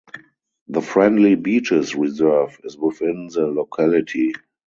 The Friendly Beaches Reserve is within the locality.